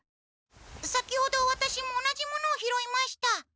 先ほどワタシも同じものをひろいました。